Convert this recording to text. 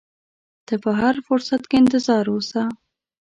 ته په هر فرصت کې انتظار اوسه.